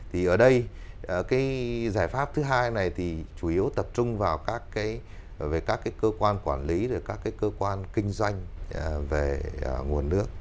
thì ở đây cái giải pháp thứ hai này thì chủ yếu tập trung vào các cái về các cái cơ quan quản lý rồi các cái cơ quan kinh doanh về nguồn nước